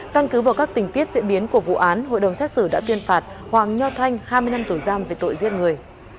căn cứ vào các tình tiết diễn biến của vụ án hội đồng xét xử đã tuyên phạt hoàng nho thanh hai mươi năm tuổi giam về tội giết người